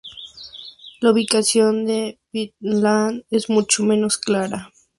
La ubicación de Vinland es mucho menos clara.